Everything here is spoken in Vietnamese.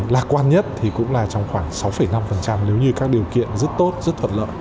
lạc quan nhất thì cũng là trong khoảng sáu năm nếu như các điều kiện rất tốt rất thuận lợi